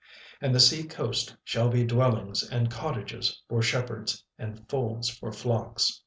36:002:006 And the sea coast shall be dwellings and cottages for shepherds, and folds for flocks.